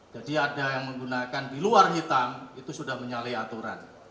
jadi ada yang menggunakan di luar hitam itu sudah menyalih aturan